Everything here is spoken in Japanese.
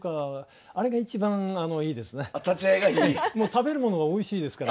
食べるものがおいしいですから。